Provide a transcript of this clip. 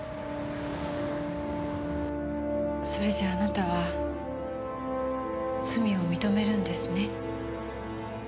それじゃああなたは罪を認めるんですね？